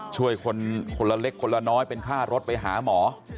ช่วยคนคนละเล็กคนละน้อยเป็นค่ารถไปหาหมอ